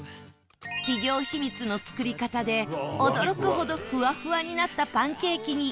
企業秘密の作り方で驚くほどふわふわになったパンケーキに